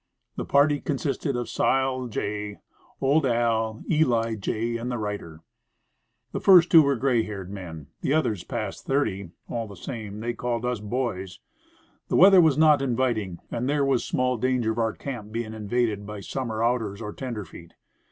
The party consisted of Sile J., Old At, Eli J. and the writer. The two first were gray haired men, the others past thirty; all the same, they called us "the boys." The weather was not inviting, and there was small danger of our camp being invaded by summer outers or tenderfeet.